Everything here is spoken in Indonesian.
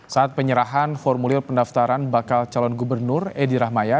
saat penyerahan formulir pendaftaran bakal calon gubernur edi rahmaya